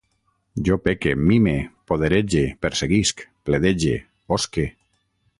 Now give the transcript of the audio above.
Jo peque, mime, poderege, perseguisc, pledege, osque